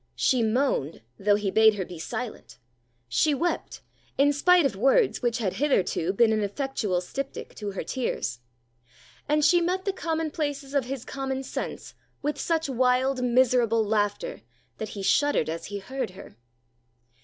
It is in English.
She moaned, though he bade her be silent; she wept, in spite of words which had hitherto been an effectual styptic to her tears; and she met the commonplaces of his common sense with such wild, miserable laughter, that he shuddered as he heard her.